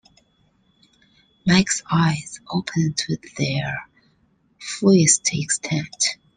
Mike's eyes opened to their fullest extent.